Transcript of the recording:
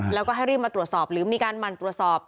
แล้วก็ให้รีบมาตรวจสอบหรือมีการหมั่นตรวจสอบ